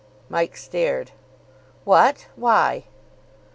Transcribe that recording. Mike stared. "What! Why?"